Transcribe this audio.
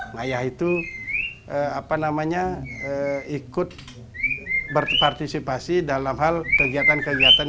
ngayah itu apa namanya ikut berpartisipasi dalam hal kegiatan kegiatan yang berlaku